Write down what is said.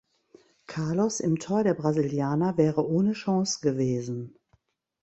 Carlos im Tor der Brasilianer wäre ohne Chance gewesen.